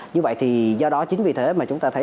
như vậy thì do đó chính vì thế mà chúng ta thấy